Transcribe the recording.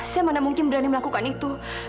saya mana mungkin berani melakukan itu